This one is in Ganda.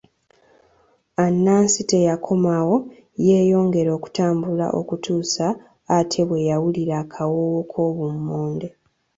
Anansi teyakoma awo, yeeyongera okutambula okutuusa ate bwe yawulira akawoowo k'obummonde.